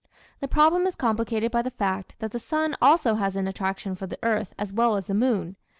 The problem is complicated by the fact that the sun also has an attraction for the earth as well as the moon.